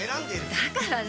だから何？